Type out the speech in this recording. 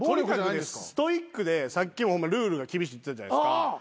ストイックでさっきもルールが厳しい言ったじゃないですか。